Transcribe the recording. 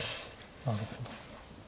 なるほど。